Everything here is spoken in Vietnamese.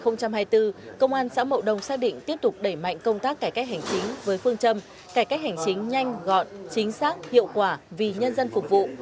năm hai nghìn hai mươi bốn công an xã mậu đông xác định tiếp tục đẩy mạnh công tác cải cách hành chính với phương châm cải cách hành chính nhanh gọn chính xác hiệu quả vì nhân dân phục vụ